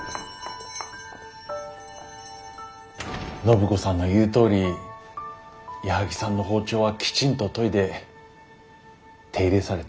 暢子さんの言うとおり矢作さんの包丁はきちんと研いで手入れされていました。